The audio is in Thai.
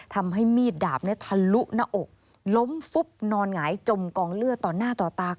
ทำให้มีดดาบทะลุหน้าอกล้มฟุบนอนหงายจมกองเลือดต่อหน้าต่อตา